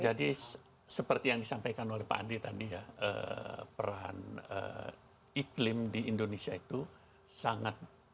jadi seperti yang disampaikan oleh pak andi tadi ya peran iklim di indonesia itu sangat penting